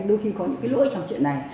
đôi khi có những cái lỗi trong chuyện này